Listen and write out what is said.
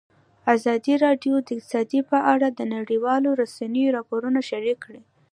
ازادي راډیو د اقتصاد په اړه د نړیوالو رسنیو راپورونه شریک کړي.